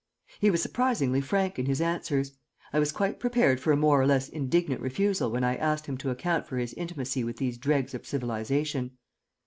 He was surprisingly frank in his answers. I was quite prepared for a more or less indignant refusal when I asked him to account for his intimacy with these dregs of civilization.